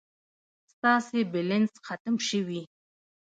ستاسي بلينس ختم شوي